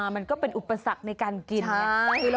มันก็เป็นอุปศักร์ในการกิน